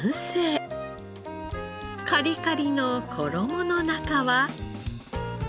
カリカリの衣の中は。